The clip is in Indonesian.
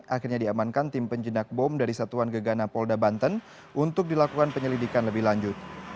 akhirnya diamankan tim penjenak bom dari satuan gegana polda banten untuk dilakukan penyelidikan lebih lanjut